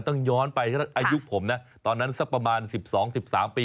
ต้องย้อนไปถ้าอายุผมนะตอนนั้นสักประมาณ๑๒๑๓ปี